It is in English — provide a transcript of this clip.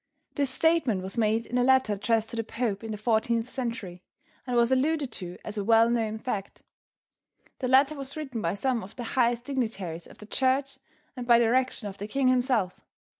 This statement was made in a letter addressed to the Pope in the 14th century and was alluded to as a well known fact. The letter was written by some of the highest dignitaries of the church and by direction of the king himself.